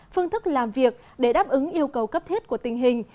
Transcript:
phương thức làm việc để đáp ứng yêu cầu cấp thiết của tình hình